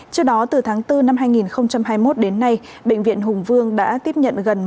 trước đó từ tháng bốn năm hai nghìn hai mươi một đến nay bệnh viện hùng vương đã tiếp nhận gần